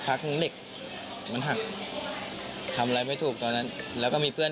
ของเด็กมันหักทำอะไรไม่ถูกตอนนั้นแล้วก็มีเพื่อน